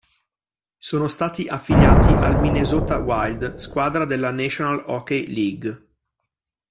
Sono stati affiliati ai Minnesota Wild, squadra della National Hockey League.